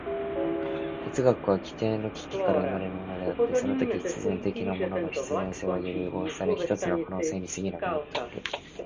哲学は基底の危機から生まれるのであって、そのとき必然的なものの必然性は揺り動かされ、ひとつの可能性に過ぎなくなってくる。